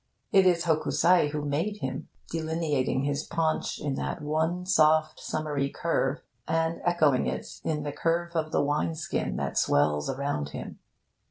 It is Hokusai who made him, delineating his paunch in that one soft summary curve, and echoing it in the curve of the wine skin that swells around him.